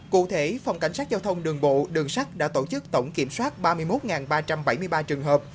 cụ thể phòng cảnh sát giao thông đường bộ đường sắt đã tổ chức tổng kiểm soát ba mươi một ba trăm bảy mươi ba trường hợp